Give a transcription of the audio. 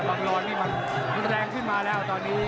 รอนี่มันแรงขึ้นมาแล้วตอนนี้